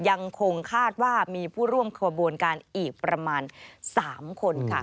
ยังคงคาดว่ามีผู้ร่วมขบวนการอีกประมาณ๓คนค่ะ